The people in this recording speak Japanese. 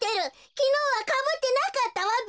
きのうはかぶってなかったわべ。